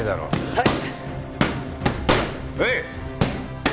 はい。